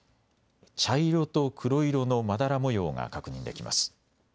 茶色と黒色のまだら模様が確認できます。